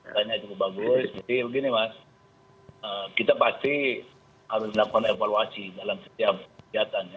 tanya cukup bagus jadi begini mas kita pasti harus melakukan evaluasi dalam setiap kegiatan ya